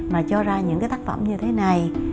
mà cho ra những tác phẩm như thế này